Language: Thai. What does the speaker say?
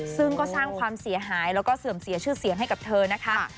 ซึ่งก็สร้างความเสียหายแล้วก็เสื่อมเสียชื่อเสียงให้กับเธอนะคะ